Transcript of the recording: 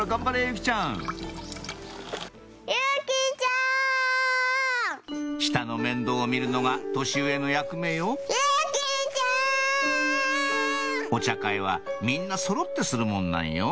由季ちゃん下の面倒を見るのが年上の役目よゆきちゃん！お茶会はみんなそろってするもんなんよ